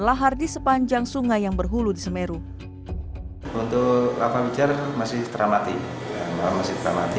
lahar di sepanjang sungai yang berhulu di semeru untuk lava mikir masih teramati masih teramati